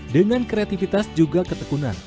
dengan kreativitas juga ketekunan